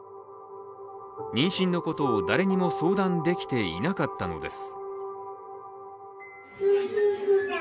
妊娠のことを誰にも相談できていなかったのです。